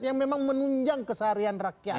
yang memang menunjang keseharian rakyat